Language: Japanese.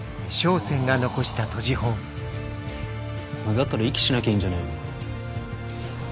だったら息しなきゃいいんじゃねえの？なぁ？